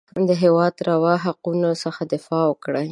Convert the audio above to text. د هېواد روا حقونو څخه دفاع وکړي.